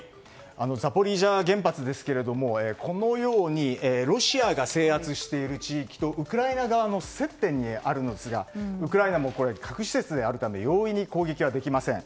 ザポリージャ原発ですがロシアが制圧している地域とウクライナ側の接点にあるんですがウクライナもこれ、核施設であるため容易に攻撃はできません。